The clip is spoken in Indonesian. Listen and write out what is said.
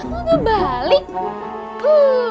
man mau gak balik